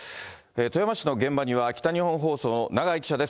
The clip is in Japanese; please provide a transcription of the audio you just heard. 富山市の現場には北日本放送の永井記者です。